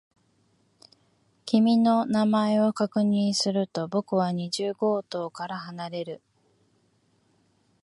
君の名前を確認すると、僕は二十号棟から離れる。